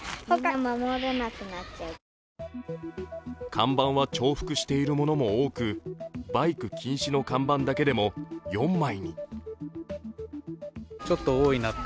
看板は重複しているものも多くバイク禁止の看板だけでも４枚。